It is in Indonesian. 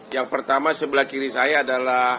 yang pertama sebelah kiri saya adalah